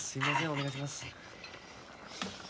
お願いします。